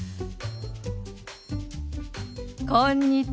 こんにちは。